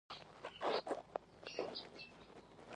يو کلک پښتون ، ښۀ ملګرے او بې بدله دوست وو